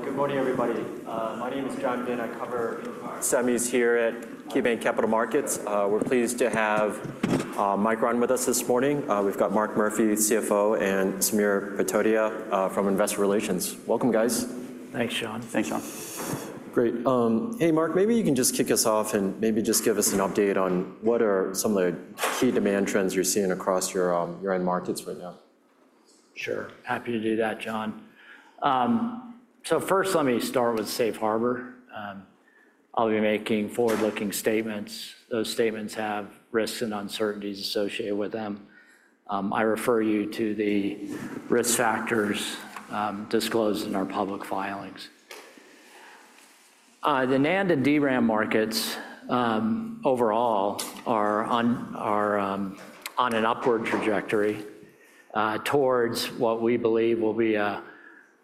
Good morning, everybody. My name is John Vinh. Semis here at KeyBanc Capital Markets. We're pleased to have Micron with us this morning. We've got Mark Murphy, CFO, and Samir Patodia from Investor Relations. Welcome, guys. Thanks, John. Thanks, John. Great. Hey, Mark, maybe you can just kick us off and maybe just give us an update on what are some of the key demand trends you're seeing across your end markets right now. Sure. Happy to do that, John. So first, let me start with safe harbor. I'll be making forward-looking statements. Those statements have risks and uncertainties associated with them. I refer you to the risk factors disclosed in our public filings. The NAND and DRAM markets overall are on an upward trajectory towards what we believe will be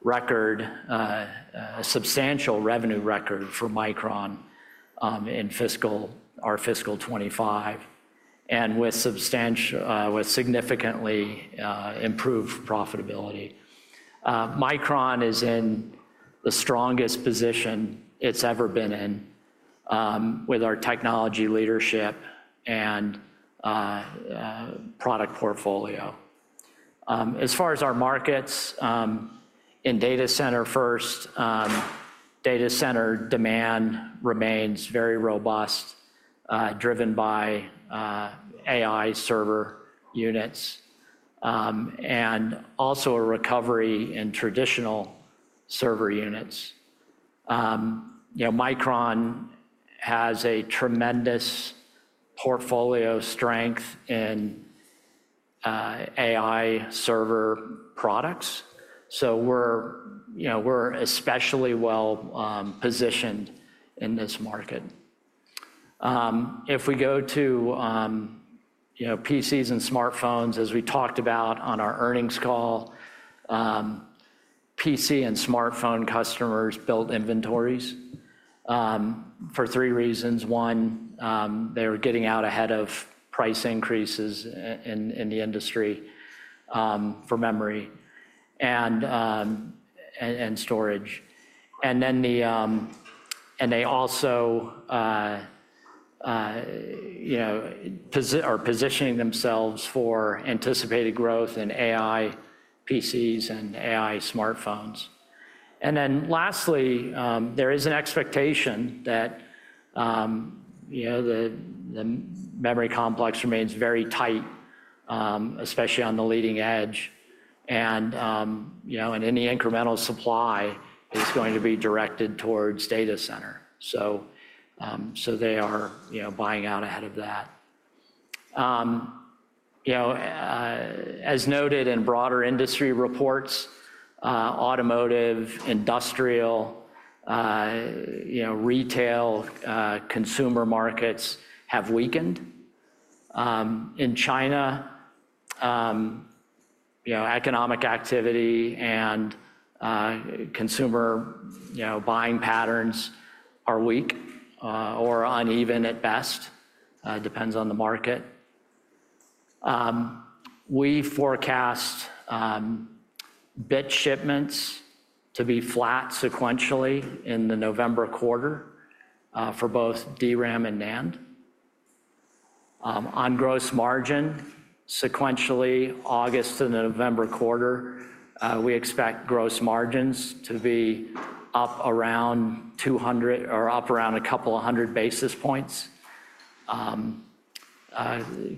a substantial revenue record for Micron in our fiscal 2025, and with significantly improved profitability. Micron is in the strongest position it's ever been in with our technology leadership and product portfolio. As far as our markets in data center first, data center demand remains very robust, driven by AI server units and also a recovery in traditional server units. Micron has a tremendous portfolio strength in AI server products. So we're especially well positioned in this market. If we go to PCs and smartphones, as we talked about on our earnings call, PC and smartphone customers built inventories for three reasons. One, they were getting out ahead of price increases in the industry for memory and storage. And they also are positioning themselves for anticipated growth in AI PCs and AI smartphones. And then lastly, there is an expectation that the memory complex remains very tight, especially on the leading edge, and any incremental supply is going to be directed towards data center. So they are buying out ahead of that. As noted in broader industry reports, automotive, industrial, retail, consumer markets have weakened. In China, economic activity and consumer buying patterns are weak or uneven at best. It depends on the market. We forecast bit shipments to be flat sequentially in the November quarter for both DRAM and NAND. On gross margin, sequentially, August to the November quarter, we expect gross margins to be up around 200 or up around a couple of hundred basis points,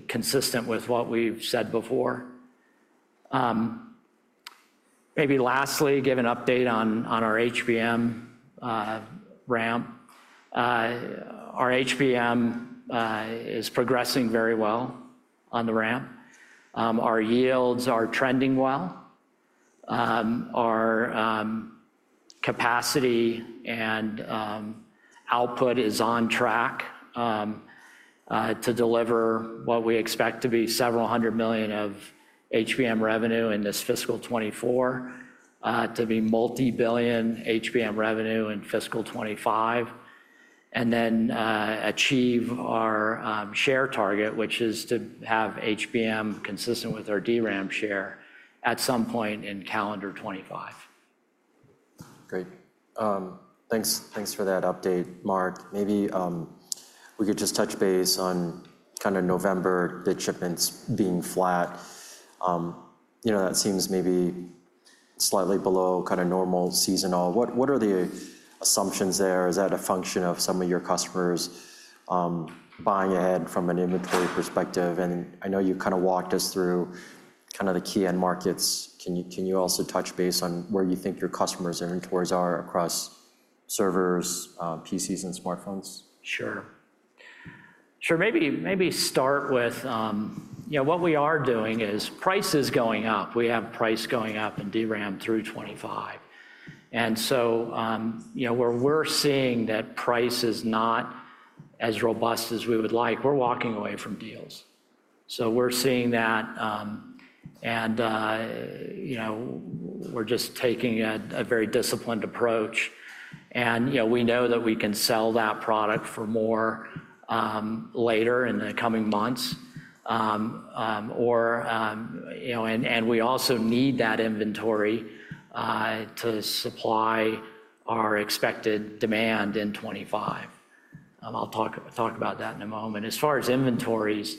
consistent with what we've said before. Maybe lastly, give an update on our HBM ramp. Our HBM is progressing very well on the ramp. Our yields are trending well. Our capacity and output is on track to deliver what we expect to be several hundred million of HBM revenue in this fiscal 2024, to be multi-billion HBM revenue in fiscal 2025, and then achieve our share target, which is to have HBM consistent with our DRAM share at some point in calendar 2025. Great. Thanks for that update, Mark. Maybe we could just touch base on kind of November bit shipments being flat. That seems maybe slightly below kind of normal seasonal. What are the assumptions there? Is that a function of some of your customers buying ahead from an inventory perspective? And I know you kind of walked us through kind of the key end markets. Can you also touch base on where you think your customers' inventories are across servers, PCs, and smartphones? Sure. Sure. Maybe start with what we are doing is price is going up. We have price going up in DRAM through 2025. And so where we're seeing that price is not as robust as we would like, we're walking away from deals. So we're seeing that, and we're just taking a very disciplined approach. And we know that we can sell that product for more later in the coming months. And we also need that inventory to supply our expected demand in 2025. I'll talk about that in a moment. As far as inventories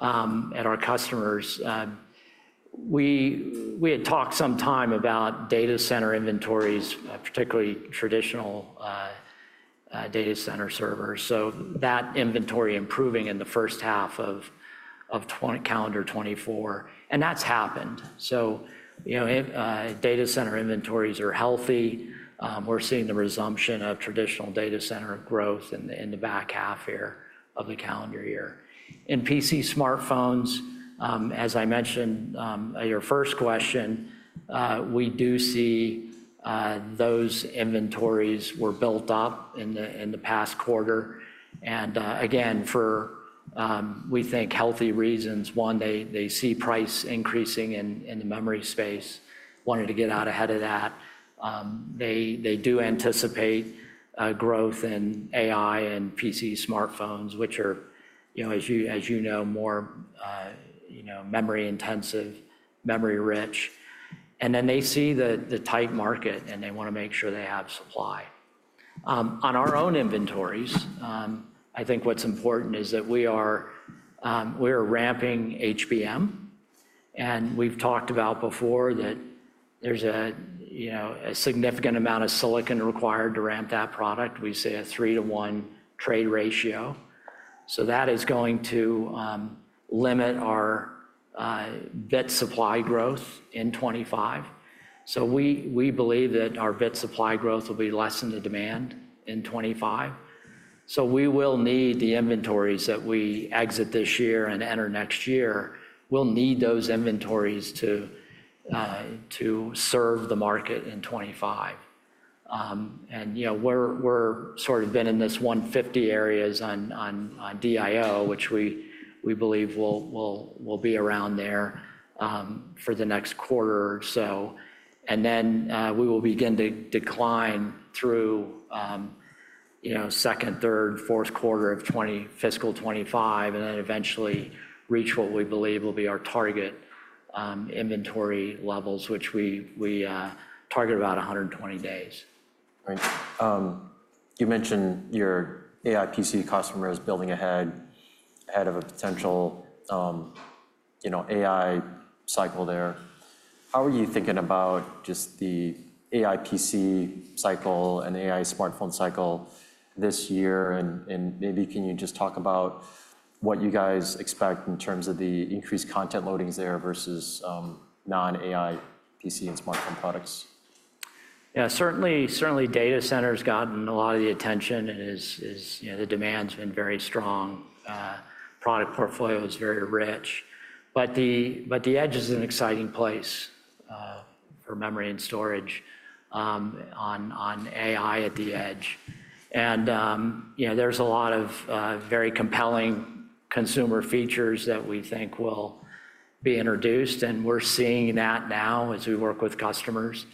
at our customers, we had talked some time about data center inventories, particularly traditional data center servers. So that inventory improving in the first half of calendar 2024. And that's happened. So data center inventories are healthy. We're seeing the resumption of traditional data center growth in the back half here of the calendar year. In PCs and smartphones, as I mentioned at your first question, we do see those inventories were built up in the past quarter. Again, for what we think are healthy reasons. One, they see prices increasing in the memory space, wanted to get out ahead of that. They do anticipate growth in AI PCs and smartphones, which are, as you know, more memory-intensive, memory-rich. And then they see the tight market, and they want to make sure they have supply. On our own inventories, I think what's important is that we are ramping HBM. And we've talked about before that there's a significant amount of silicon required to ramp that product. We see a 3:1 trade ratio. So that is going to limit our bit supply growth in 2025. So we believe that our bit supply growth will be less than demand in 2025. We will need the inventories that we exit this year and enter next year. We'll need those inventories to serve the market in 2025. We've sort of been in this 150 days on DIO, which we believe will be around there for the next quarter or so. Then we will begin to decline through second, third, fourth quarter of fiscal 2025, and then eventually reach what we believe will be our target inventory levels, which we target about 120 days. Great. You mentioned your AI PC customers building ahead of a potential AI cycle there. How are you thinking about just the AI PC cycle and AI smartphone cycle this year? And maybe can you just talk about what you guys expect in terms of the increased content loadings there versus non-AI PC and smartphone products? Yeah, certainly data center has gotten a lot of the attention. The demand has been very strong. Product portfolio is very rich. But the edge is an exciting place for memory and storage on AI at the edge. And there's a lot of very compelling consumer features that we think will be introduced. And we're seeing that now as we work with customers.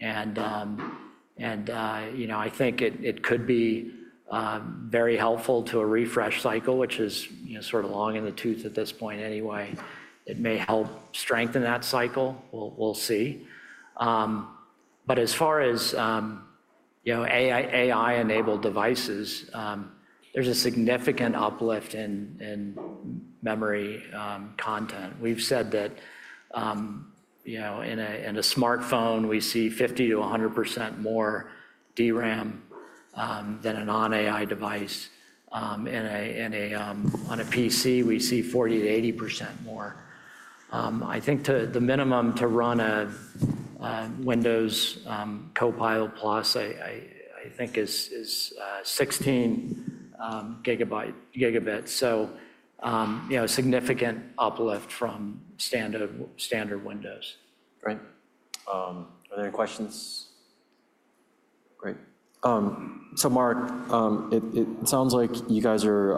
And I think it could be very helpful to a refresh cycle, which is sort of long in the tooth at this point anyway. It may help strengthen that cycle. We'll see. But as far as AI-enabled devices, there's a significant uplift in memory content. We've said that in a smartphone, we see 50%-100% more DRAM than a non-AI device. On a PC, we see 40%-80% more. I think the minimum to run a Windows Copilot+, I think, is 16 GB. Significant uplift from standard Windows. Great. Are there any questions? Great. So Mark, it sounds like you guys are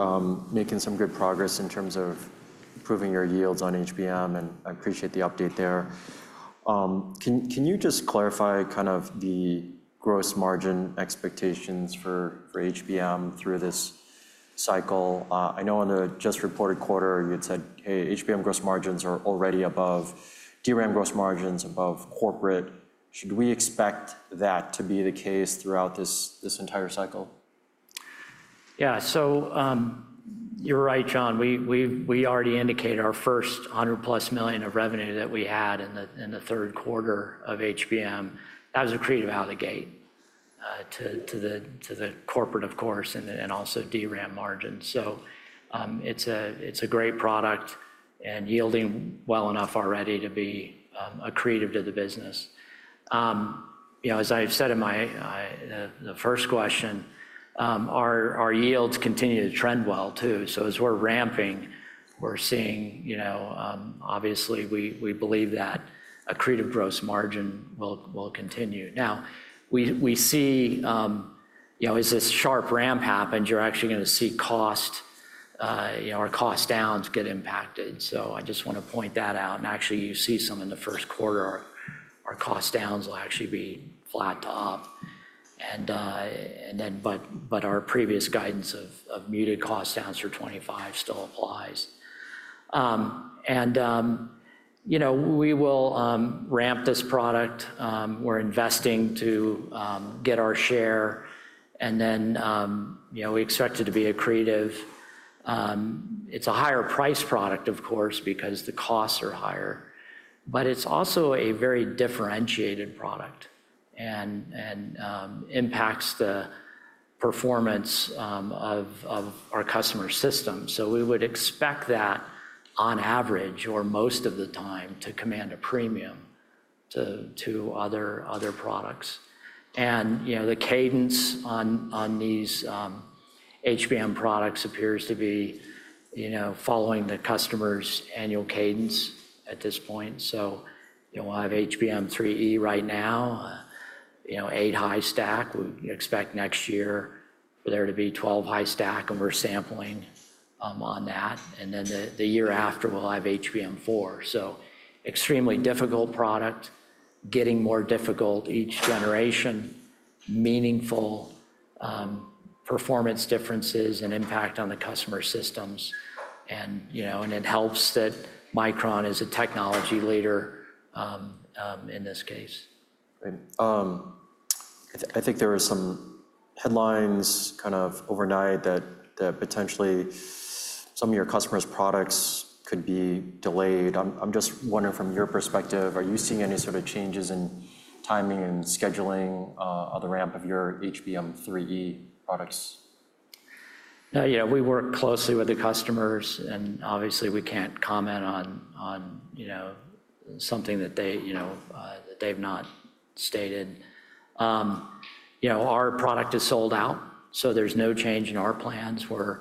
making some good progress in terms of improving your yields on HBM, and I appreciate the update there. Can you just clarify kind of the gross margin expectations for HBM through this cycle? I know in the just reported quarter, you had said, "Hey, HBM gross margins are already above DRAM gross margins, above corporate." Should we expect that to be the case throughout this entire cycle? Yeah. So you're right, John. We already indicated our first $100+ million of revenue that we had in the third quarter of HBM. That was accretive out of the gate to the corporate, of course, and also DRAM margins. So it's a great product and yielding well enough already to be accretive to the business. As I said in the first question, our yields continue to trend well, too. So as we're ramping, we're seeing, obviously, we believe that an accretive gross margin will continue. Now, we see as this sharp ramp happens, you're actually going to see our cost downs get impacted. So I just want to point that out. And actually, you see some in the first quarter, our cost downs will actually be flat to up. But our previous guidance of muted cost downs for 2025 still applies. And we will ramp this product. We're investing to get our share. Then we expect it to be accretive. It's a higher-priced product, of course, because the costs are higher. But it's also a very differentiated product and impacts the performance of our customer system. So we would expect that on average or most of the time to command a premium to other products. And the cadence on these HBM products appears to be following the customer's annual cadence at this point. So we'll have HBM3E right now, 8-high stack. We expect next year for there to be 12-high stack, and we're sampling on that. And then the year after, we'll have HBM4. So extremely difficult product, getting more difficult each generation, meaningful performance differences and impact on the customer systems. It helps that Micron is a technology leader in this case. Great. I think there were some headlines kind of overnight that potentially some of your customers' products could be delayed. I'm just wondering from your perspective, are you seeing any sort of changes in timing and scheduling of the ramp of your HBM3E products? We work closely with the customers, and obviously, we can't comment on something that they've not stated. Our product is sold out, so there's no change in our plans. We're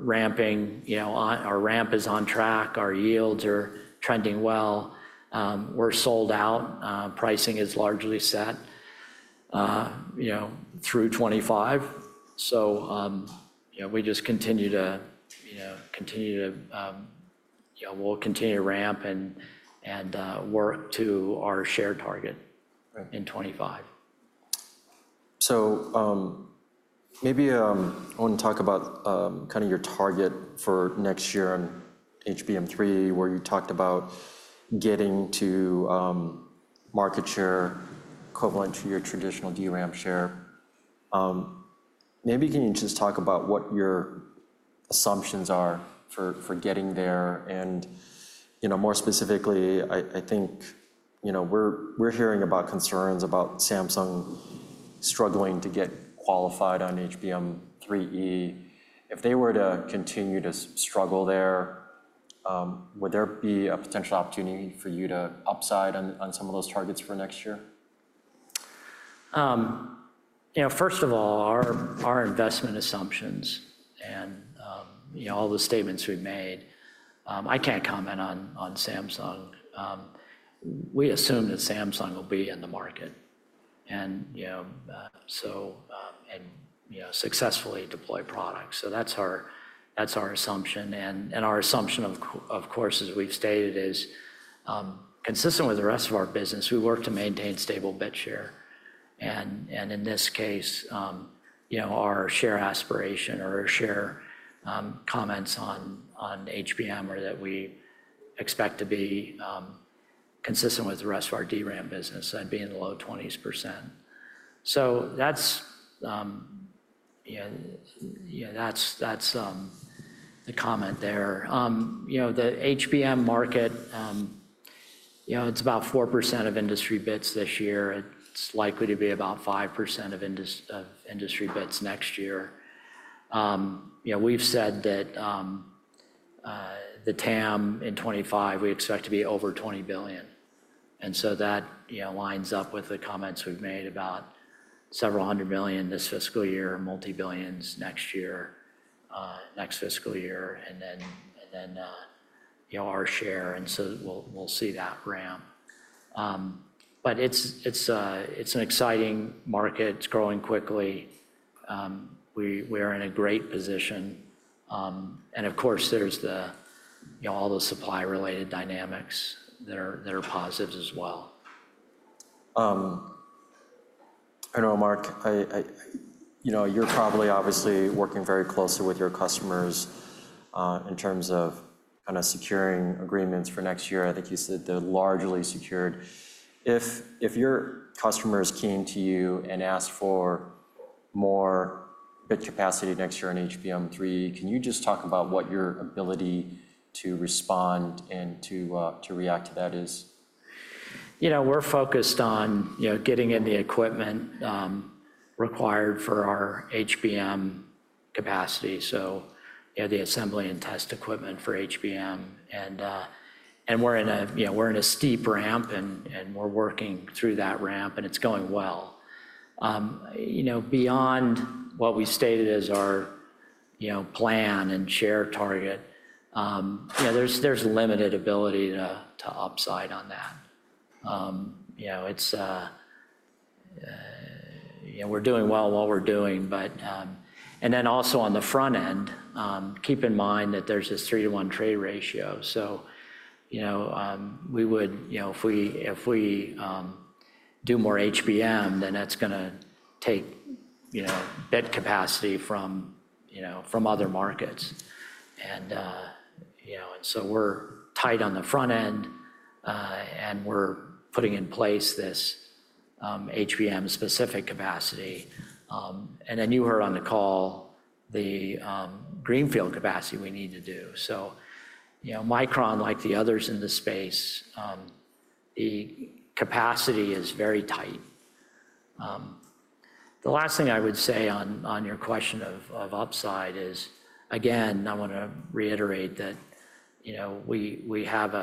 ramping. Our ramp is on track. Our yields are trending well. We're sold out. Pricing is largely set through 2025. So we just continue to ramp and work to our share target in 2025. Maybe I want to talk about kind of your target for next year on HBM3E, where you talked about getting to market share equivalent to your traditional DRAM share. Maybe can you just talk about what your assumptions are for getting there? More specifically, I think we're hearing about concerns about Samsung struggling to get qualified on HBM3E. If they were to continue to struggle there, would there be a potential opportunity for you to upside on some of those targets for next year? First of all, our investment assumptions and all the statements we've made, I can't comment on Samsung. We assume that Samsung will be in the market and successfully deploy products. So that's our assumption. And our assumption, of course, as we've stated, is consistent with the rest of our business. We work to maintain stable bit share. And in this case, our share aspiration or our share comments on HBM are that we expect to be consistent with the rest of our DRAM business and be in the low 20%. So that's the comment there. The HBM market, it's about 4% of industry bits this year. It's likely to be about 5% of industry bits next year. We've said that the TAM in 2025, we expect to be over $20 billion. And so that lines up with the comments we've made about several hundred million this fiscal year, multibillions next year, next fiscal year, and then our share. And so we'll see that ramp. But it's an exciting market. It's growing quickly. We are in a great position. And of course, there's all the supply-related dynamics that are positives as well. I know, Mark, you're probably obviously working very closely with your customers in terms of kind of securing agreements for next year. I think you said they're largely secured. If your customer is keen to you and asks for more bit capacity next year on HBM3E, can you just talk about what your ability to respond and to react to that is? We're focused on getting in the equipment required for our HBM capacity. So the assembly and test equipment for HBM. And we're in a steep ramp, and we're working through that ramp, and it's going well. Beyond what we stated as our plan and share target, there's limited ability to upside on that. We're doing well while we're doing. And then also on the front end, keep in mind that there's this 3:1 trade ratio. So if we do more HBM, then that's going to take bit capacity from other markets. And so we're tight on the front end, and we're putting in place this HBM-specific capacity. And then you heard on the call the greenfield capacity we need to do. So Micron, like the others in the space, the capacity is very tight. The last thing I would say on your question of upside is, again, I want to reiterate that we have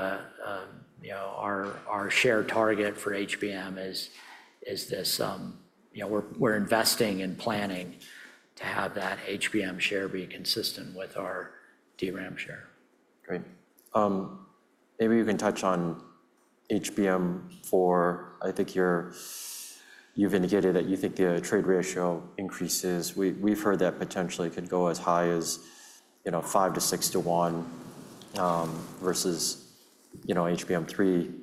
our share target for HBM is this. We're investing and planning to have that HBM share be consistent with our DRAM share. Great. Maybe you can touch on HBM4. I think you've indicated that you think the trade ratio increases. We've heard that potentially could go as high as 5-6 to 1 versus HBM3E.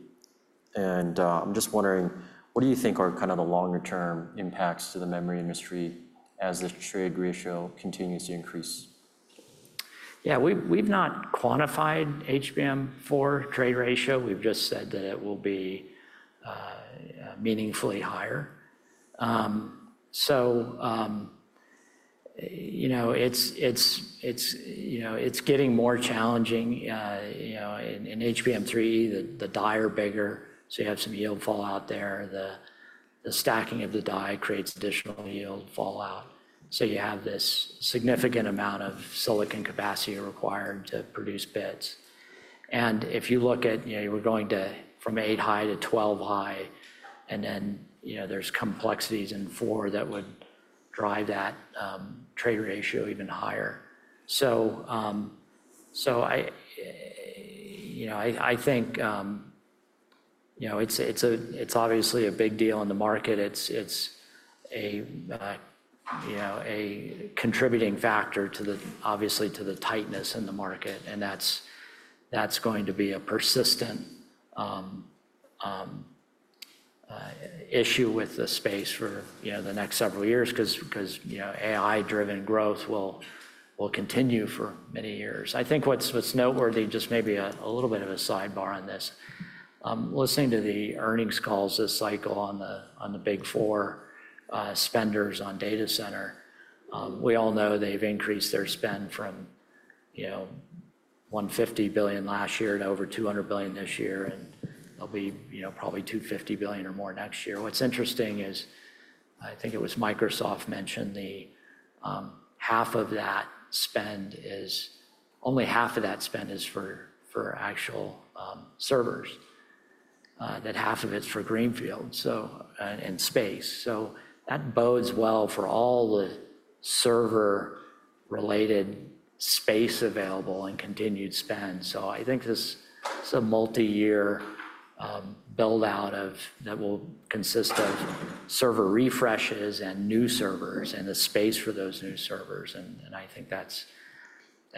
And I'm just wondering, what do you think are kind of the longer-term impacts to the memory industry as this trade ratio continues to increase? Yeah. We've not quantified HBM4 trade ratio. We've just said that it will be meaningfully higher. So it's getting more challenging. In HBM3E, the die are bigger, so you have some yield fallout there. The stacking of the die creates additional yield fallout. So you have this significant amount of silicon capacity required to produce bits. And if you look at, you're going from 8-high to 12-high, and then there's complexities in HBM4 that would drive that trade ratio even higher. So I think it's obviously a big deal in the market. It's a contributing factor, obviously, to the tightness in the market. And that's going to be a persistent issue with the space for the next several years because AI-driven growth will continue for many years. I think what's noteworthy, just maybe a little bit of a sidebar on this, listening to the earnings calls this cycle on the big four spenders on data center, we all know they've increased their spend from $150 billion last year to over $200 billion this year. And they'll be probably $250 billion or more next year. What's interesting is, I think it was Microsoft mentioned, half of that spend is only half of that spend is for actual servers, that half of it's for greenfield and space. So that bodes well for all the server-related space available and continued spend. So I think this is a multi-year build-out that will consist of server refreshes and new servers and the space for those new servers. And I think that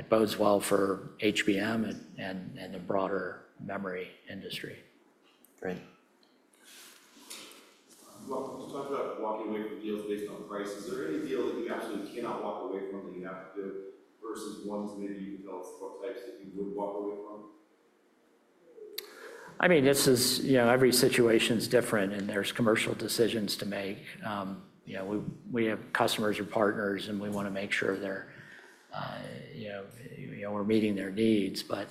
bodes well for HBM and the broader memory industry. Great. You talked about walking away from deals based on price. Is there any deal that you actually cannot walk away from that you have to do versus ones maybe you developed for types that you would walk away from? I mean, every situation is different, and there's commercial decisions to make. We have customers or partners, and we want to make sure we're meeting their needs. But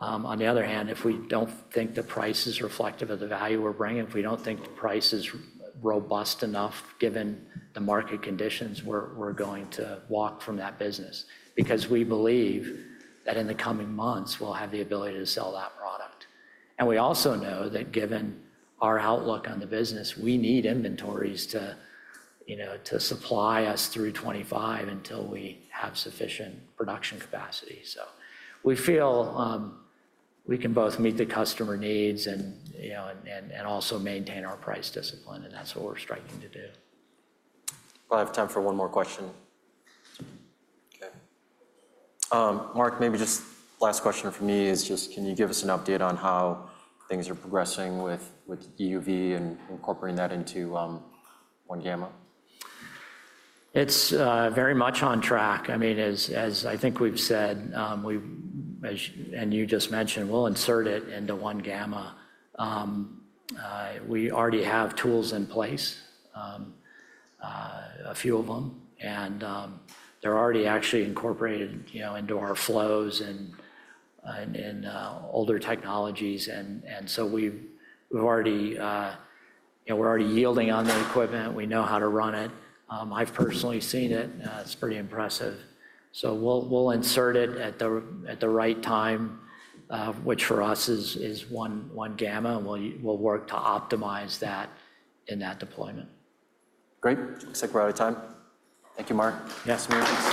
on the other hand, if we don't think the price is reflective of the value we're bringing, if we don't think the price is robust enough given the market conditions, we're going to walk from that business because we believe that in the coming months, we'll have the ability to sell that product. And we also know that given our outlook on the business, we need inventories to supply us through 2025 until we have sufficient production capacity. So we feel we can both meet the customer needs and also maintain our price discipline, and that's what we're striving to do. We'll have time for one more question. Okay. Mark, maybe just last question from me is just, can you give us an update on how things are progressing with EUV and incorporating that into One Gamma? It's very much on track. I mean, as I think we've said, and you just mentioned, we'll insert it into 1-gamma. We already have tools in place, a few of them. And they're already actually incorporated into our flows and older technologies. And so we're already yielding on the equipment. We know how to run it. I've personally seen it. It's pretty impressive. So we'll insert it at the right time, which for us is 1-gamma. And we'll work to optimize that in that deployment. Great. Looks like we're out of time. Thank you, Mark. Yes, sir.